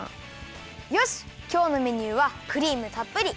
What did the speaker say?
よしきょうのメニューはクリームたっぷり！